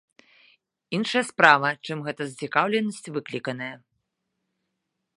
Іншая справа, чым гэта зацікаўленасць выкліканая.